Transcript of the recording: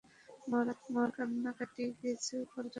মারা, তোর কান্নাকাটিতে কিছুই পাল্টাবে না।